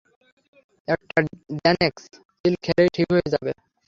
একটা Xanax pill খেলেই ঠিক হয়ে যাব!